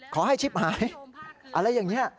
ขอให้ชิปหายอะไรอย่างนี้